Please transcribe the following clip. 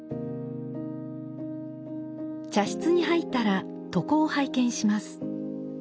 茶室に入ったら床を拝見します。